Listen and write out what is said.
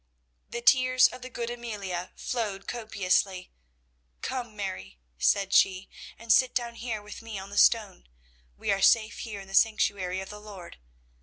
The tears of the good Amelia flowed copiously. "Come, Mary," said she, "and sit down here with me on the stone. We are safe here in the sanctuary of the Lord.